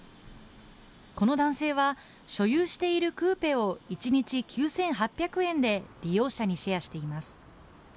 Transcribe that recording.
この男性は、所有しているクーペを、１日９８００円で利用者にシェアしています。